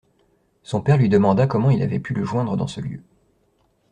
Son père lui demanda comment il avait pu le joindre dans ce lieu.